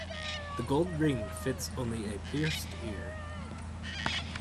The gold ring fits only a pierced ear.